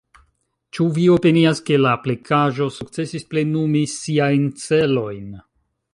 Ĉu vi opinias ke la aplikaĵo sukcesis plenumi siajn celojn?